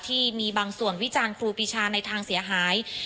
ที่มีบางส่วนวิจารณ์ครูปีชาในทางเสียหาย